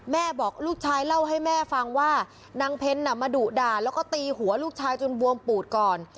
บอกลูกชายเล่าให้แม่ฟังว่านางเพ็ญน่ะมาดุด่าแล้วก็ตีหัวลูกชายจนบวมปูดก่อน